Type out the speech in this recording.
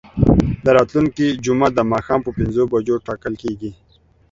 دا راتلونکې جمعه د ماښام په پنځو بجو ټاکل کیږي.